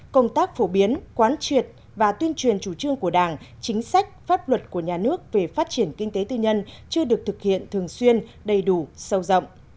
công tác phổ biến quán triệt và tuyên truyền chủ trương của đảng chính sách pháp luật của nhà nước về phát triển kinh tế tư nhân chưa được thực hiện thường xuyên đầy đủ sâu rộng